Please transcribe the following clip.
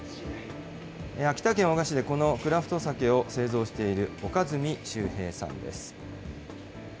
秋田県男鹿市でこのクラフトサケを製造している岡住修兵さんです。